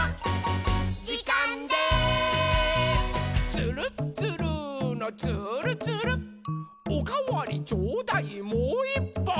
「つるっつるーのつーるつる」「おかわりちょうだいもういっぱい！」